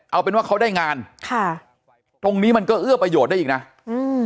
เอาเป็นว่าเขาได้งานค่ะตรงนี้มันก็เอื้อประโยชน์ได้อีกนะอืม